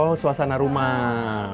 oh suasana rumah